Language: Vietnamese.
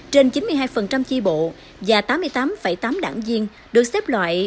trên chín mươi hai chi bộ và tám mươi tám tám đảng viên được xếp loại